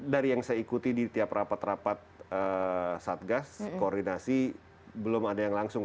dari yang saya ikuti di tiap rapat rapat satgas koordinasi belum ada yang langsung